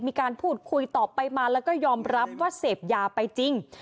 มีการพูดคุยตอบไปมาแล้วก็ยอมรับว่าเสพยาไปจริง